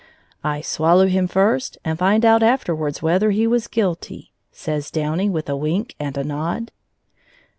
"I swallow him first and find out afterwards whether he was guilty," says Downy with a wink and a nod.